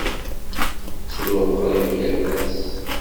Ttruɣ qrib yal ass.